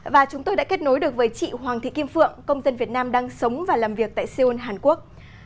và chúng tôi đã kết nối được với chị hoàng thị kim phượng công dân việt nam đang sống và làm việc tại seoul hàn quốc